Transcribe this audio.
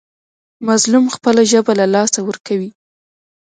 مظلوم خپله ژبه له لاسه ورکوي.